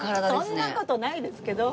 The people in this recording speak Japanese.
そんな事ないですけど。